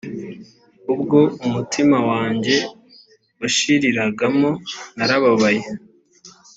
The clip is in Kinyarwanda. ubwo umutima wanjye washiriragamo narababaye .